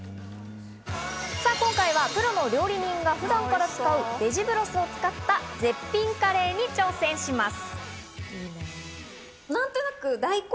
今回は、プロの料理人が普段から使う、ベジブロスを使った絶品カレーに挑戦します。